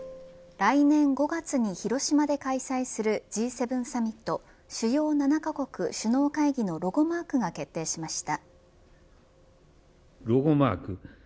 来年５月に広島で開催するＧ７サミット主要７カ国首脳会議のロゴマークが決定しました。